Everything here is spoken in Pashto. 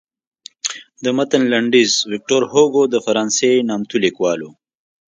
د متن لنډیز ویکتور هوګو د فرانسې نامتو لیکوال و.